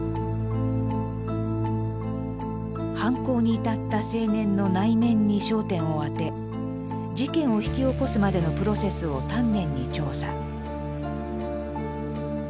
犯行に至った青年の内面に焦点を当て事件を引き起こすまでのプロセスを丹念に調査。